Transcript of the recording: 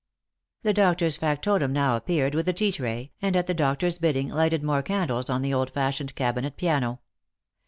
The doctor's factotum now appeared with the tea tray, and at the doctor's bidding lighted more candles on the old fashioned cabinet piano.